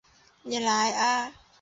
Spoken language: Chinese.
你来了啊